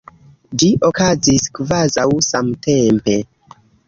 Ĝi okazis kvazaŭ samtempe.